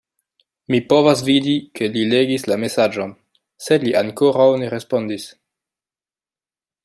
Mi povas vidi, ke li legis la mesaĝon, sed li ankoraŭ ne respondis.